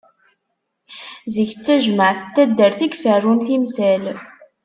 Zik d tajmeɛt n taddart i iferrun timsal.